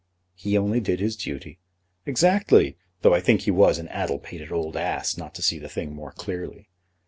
"He only did his duty." "Exactly; though I think he was an addle pated old ass not to see the thing more clearly.